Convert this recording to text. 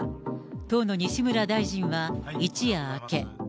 当の西村大臣は、一夜明け。